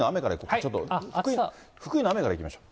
ちょっと、福井の雨からいきましょう。